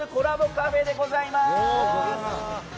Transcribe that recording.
カフェでございます。